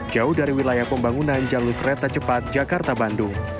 jauh dari wilayah pembangunan jalur kereta cepat jakarta bandung